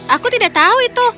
aku tidak tahu itu